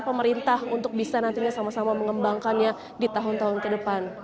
pemerintah untuk bisa nantinya sama sama mengembangkannya di tahun tahun ke depan